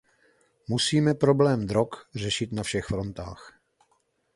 Musíme problém drog řešit na všech frontách.